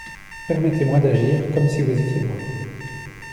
Permettez-moi d'agir comme si vous étiez mort.